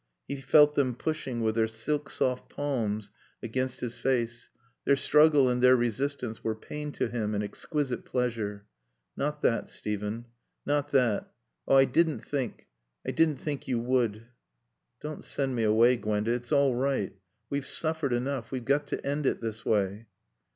He felt them pushing with their silk soft palms against his face. Their struggle and their resistance were pain to him and exquisite pleasure. "Not that, Steven! Not that! Oh, I didn't think I didn't think you would." "Don't send me away, Gwenda. It's all right. We've suffered enough. We've got to end it this way."